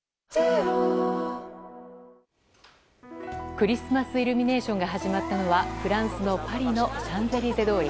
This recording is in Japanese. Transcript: クリスマスイルミネーションが始まったのはフランスのパリのシャンゼリゼ通り。